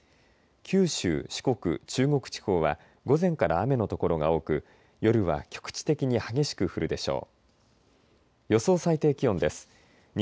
九州、四国中国地方は午前から雨の所が多く夜は局地的に激しく降るでしょう。